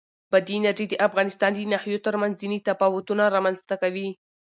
بادي انرژي د افغانستان د ناحیو ترمنځ ځینې تفاوتونه رامنځ ته کوي.